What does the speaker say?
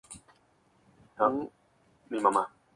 Varias empresas fueron sancionadas.